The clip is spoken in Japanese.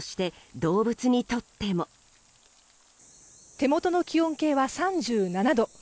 手元の気温計は３７度。